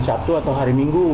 sabtu atau hari minggu